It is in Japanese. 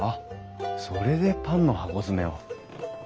それでパンの箱詰めを。